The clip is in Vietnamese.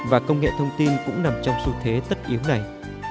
và công nghệ thông tin cũng nằm trong xu thế tất yếu này